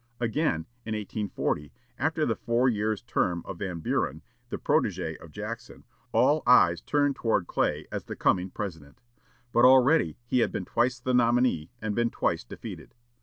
Again in 1840, after the four years' term of Van Buren, the protégé of Jackson, all eyes turned toward Clay as the coming President. But already he had been twice the nominee and been twice defeated.